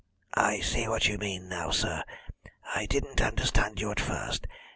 "I see what you mean now, sir. I didn't understand you at first.